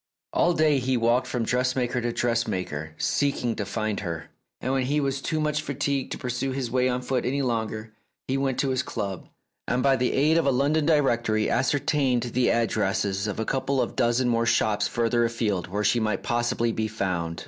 ... All day he walked from dressmaker to dressmaker, seeking to find her; and when he was too much fatigued to pursue his way on foot any longer, he went to his club, and by the aid of a London direc tory ascertained the addresses of a couple of dozen more shops farther afield where she might possibly be found.